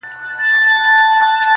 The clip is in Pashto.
بلا بيده ښه وي، نه ويښه.